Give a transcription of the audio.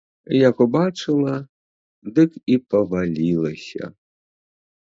Як убачыла, дык і павалілася.